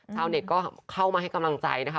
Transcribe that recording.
ชาวเน็ตก็เข้ามาให้กำลังใจนะคะ